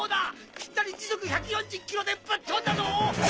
ぴったり時速１４０ｋｍでぶっ飛んだぞ！